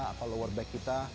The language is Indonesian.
atau lower back kita